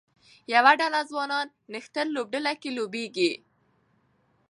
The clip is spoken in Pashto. یوه ډله ځوانان نښتر لوبډله کې لوبیږي